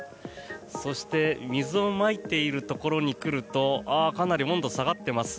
そして水をまいているところに来るとああ、かなり温度、下がっています。